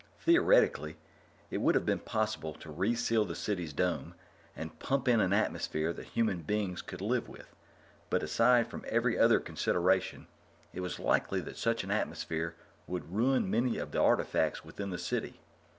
Theoretically, it would have been possible to re seal the City's dome and pump in an atmosphere that human beings could live with, but, aside from every other consideration, it was likely that such an atmosphere would ruin many of the artifacts within the City.